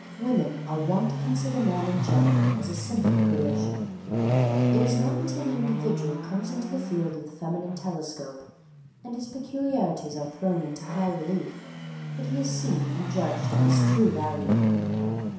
Women are wont to consider man in general as a simple creation. It is not until the individual comes into the field of the feminine telescope, and his peculiarities are thrown into high relief, that he is seen and judged at his true value.